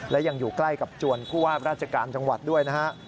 และยังอยู่ใกล้กับจวนผู้ว่าราชการจังหวัดด้วยนะฮะ